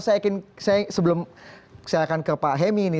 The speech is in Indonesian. saya akan ke pak hemi ini